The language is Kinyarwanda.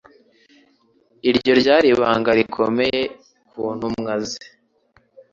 Iryo ryari ibanga rikomeye ku ntumwa ze.